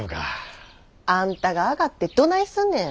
あんたがあがってどないすんねん！